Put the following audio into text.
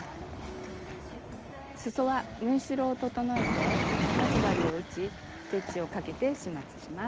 すそは縫い代を整えて待ち針を打ちステッチをかけて始末します。